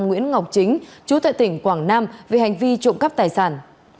nguyễn ngọc chính chú tại tỉnh quảng nam về hành vi trộm cắp tài sản